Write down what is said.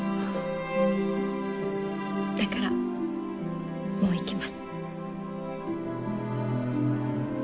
だからもう行きます。